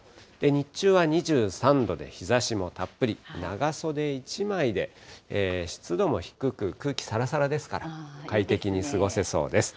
日中は２３度で日ざしもたっぷり、長袖１枚で湿度も低く、空気さらさらですから、快適に過ごせそうです。